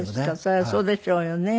そりゃそうでしょうよね。